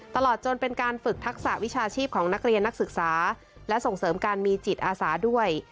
ตลอดจนเป็นการฝึกทักษะวิชาชีพของนักเรียนนักศึกษาและส่งเสริมการมีจิตอาสาด้วย